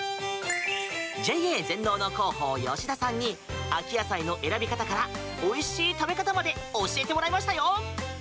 ＪＡ全農の広報、吉田さんに秋野菜の選び方からおいしい食べ方まで教えてもらいましたよ！